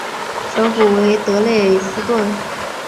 首府为德累斯顿。